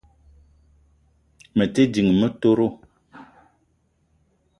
Me te ding motoro